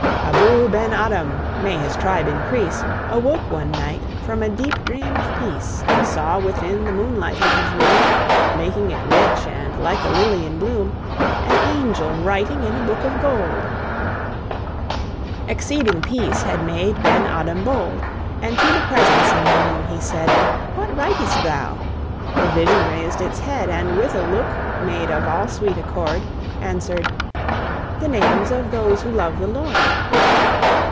(1784 1859.) Abou Ben Adhem (may his tribe increase!) Awoke one night from a deep dream of peace, And saw within the moonlight in his room, Making it rich and like a lily in bloom, An angel writing in a book of gold. Exceeding peace had made Ben Adhem bold; And to the presence in the room he said, "What writest thou?" The vision raised its head, And, with a look made of all sweet accord, Answered, "The names of those who love the Lord."